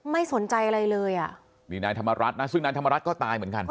ไม่สนใจอะไรเลยอ่ะนี่นายธรรมรัฐนะซึ่งนายธรรมรัฐก็ตายเหมือนกัน